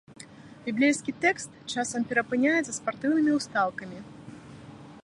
Біблейскі тэкст часам перапыняецца спартыўнымі ўстаўкамі.